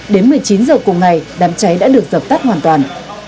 đến một mươi chín h cùng ngày đám cháy đã được dập tắt hoàn toàn